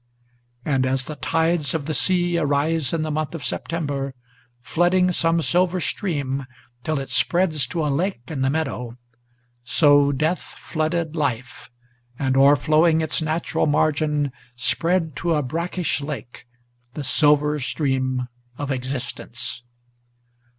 And, as the tides of the sea arise in the month of September, Flooding some silver stream, till it spreads to a lake in the meadow, So death flooded life, and, o'erflowing its natural margin, Spread to a brackish lake, the silver stream of existence.